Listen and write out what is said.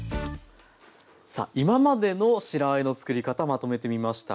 さあ今までの白あえのつくり方まとめてみました。